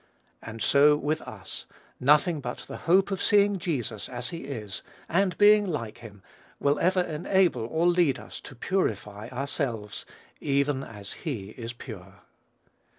And so with us: nothing but the hope of seeing Jesus as he is, and being like him, will ever enable or lead us to purify ourselves, even as he is pure.